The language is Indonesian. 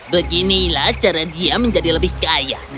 beginilah cara dia menjadi lebih kaya